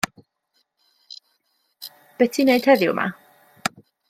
Be' ti'n 'neud heddiw 'ma?